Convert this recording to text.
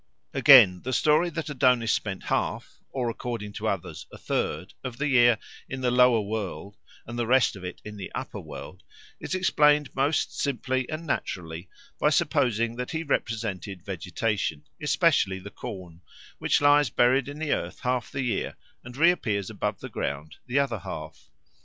Again, the story that Adonis spent half, or according to others a third, of the year in the lower world and the rest of it in the upper world, is explained most simply and naturally by supposing that he represented vegetation, especially the corn, which lies buried in the earth half the year and reappears above ground the other half.